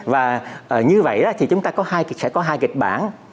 và như vậy thì chúng ta sẽ có hai kịch bản